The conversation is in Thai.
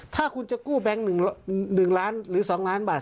ถ้าคุณจะกู้แบงค์๑ล้านหรือ๒ล้านบาท